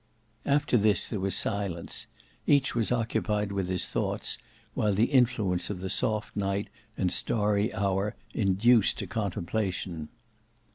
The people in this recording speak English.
After this, there was silence; each was occupied with his thoughts, while the influence of the soft night and starry hour induced to contemplation.